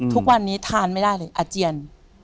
ทุกวันนี้ทานไม่ได้เลยอาเจียน